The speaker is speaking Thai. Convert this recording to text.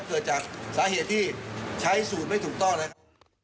เหมือนกับประเภทที่ไม่ใช้สูตรไม่ถูกต้องนะครับ